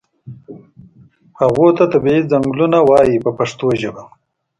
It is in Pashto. هغو ته طبیعي څنګلونه وایي په پښتو ژبه.